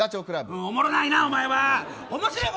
おもろないな、お前は！